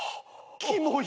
キモい。